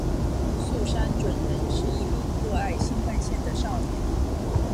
速杉隼人是一名热爱新干线的少年。